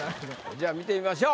じゃあ見てみましょう。